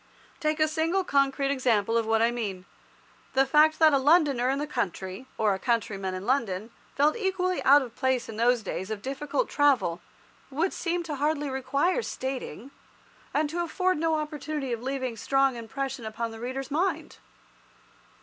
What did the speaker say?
Take a single concrete example of what I mean. The fact that a Londoner in the country, or a countryman in London, felt equally out of place in those days of difficult travel, would seem to hardly require stating, and to afford no opportunity of leaving a strong impression upon the reader's mind.